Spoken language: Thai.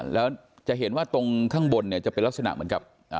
แล้วจะเห็นว่าตรงข้างบนเนี่ยจะเป็นลักษณะเหมือนกับ